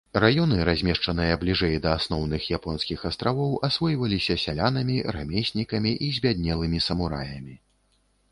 Раёны, размешчаныя бліжэй да асноўных японскіх астравоў, асвойваліся сялянамі, рамеснікамі і збяднелымі самураямі.